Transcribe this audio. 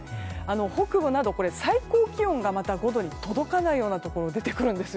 北部など、最高気温がまた５度に届かないところが出てくるんです。